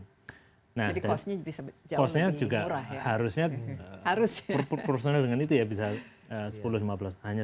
jadi cost nya bisa jauh lebih murah ya